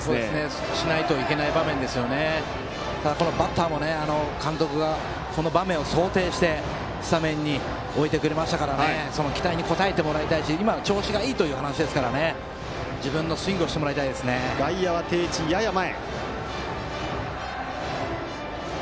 そうしないといけない場面ですが、このバッターも監督がこの場面を想定してスタメンに置いてくれましたからその期待に応えてもらいたいし今、調子がいいという話ですから自分のスイングを外野は定位置よりやや前。